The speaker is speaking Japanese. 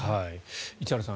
石原さん